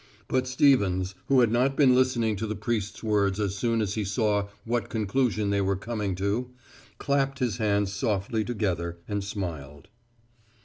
But Stevens, who had not been listening to the priest's words as soon as he saw what conclusion they were coming to, clapped his hands softly together and smiled.